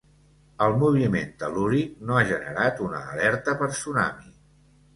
El moviment tel·lúric no ha generat una alerta per tsunami.